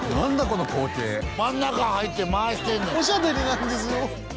この光景真ん中入って回してんねんおしゃべりなんですよ